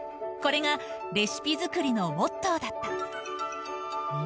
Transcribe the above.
これが、レシピ作りのモットーだった。